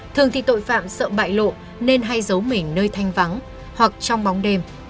thường thì tội phạm sợ bại lộ nên hay giấu mình nơi thanh vắng hoặc trong bóng đêm